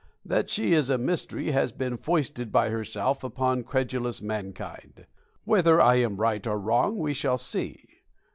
That she is a mystery has been foisted by herself upon credulous mankind. Whether I am right or wrong we shall see.